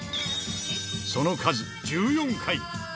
その数１４回。